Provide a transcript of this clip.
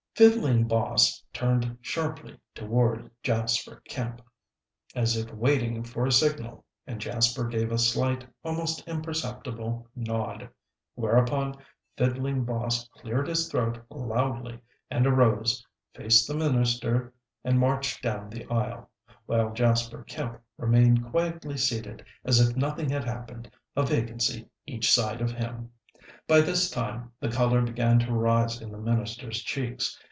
_" Fiddling Boss turned sharply toward Jasper Kemp, as if waiting for a signal, and Jasper gave a slight, almost imperceptible nod. Whereupon Fiddling Boss cleared his throat loudly and arose, faced the minister, and marched down the aisle, while Jasper Kemp remained quietly seated as if nothing had happened, a vacancy each side of him. By this time the color began to rise in the minister's cheeks.